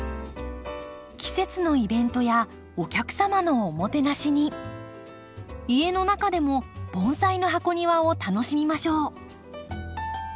季節のイベントやお客様のおもてなしに家の中でも盆栽の箱庭を楽しみましょう。